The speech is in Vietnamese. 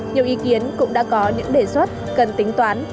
nhiều ý kiến cũng đã có những đề xuất cần tính toán